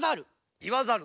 いわざる。